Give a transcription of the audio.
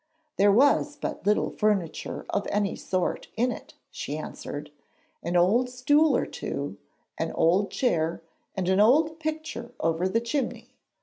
There was but little furniture of any sort in it, she answered. An old stool or two, an old chair and an old picture over the chimney.